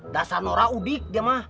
dasar norak ubik dia mah